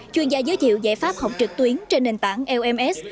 chuyên gia giới thiệu giải pháp học trực tuyến trên nền tảng lms